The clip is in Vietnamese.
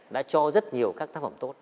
đã cho rất nhiều các tác phẩm tốt